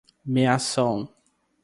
meação